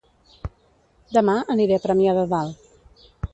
Dema aniré a Premià de Dalt